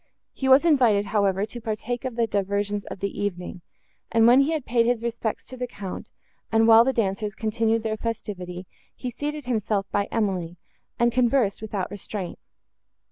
He was invited, however, to partake of the diversions of the evening; and, when he had paid his respects to the Count, and while the dancers continued their festivity, he seated himself by Emily, and conversed, without restraint.